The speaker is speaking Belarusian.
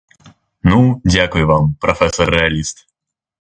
Ну дзякуй вам, прафесар рэаліст.